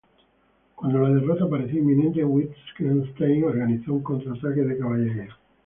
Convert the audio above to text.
Cuando la derrota parecía inminente, Wittgenstein organizó un contraataque de caballería.